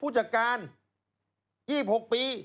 ผู้จัดการ๒๖ปี